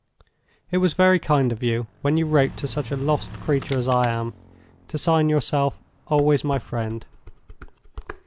"It was very kind of you, when you wrote to such a lost creature as I am, to sign yourself—_always my friend.